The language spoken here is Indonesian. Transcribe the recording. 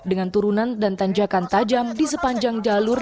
dengan turunan dan tanjakan tajam di sepanjang jalur